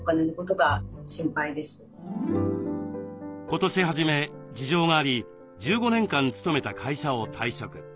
今年初め事情があり１５年間勤めた会社を退職。